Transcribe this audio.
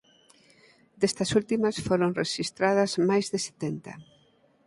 Destas últimas foron rexistradas máis de setenta.